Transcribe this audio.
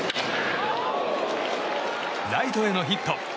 ライトへのヒット。